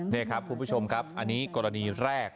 นี่ครับคุณผู้ชมครับอันนี้กรณีแรก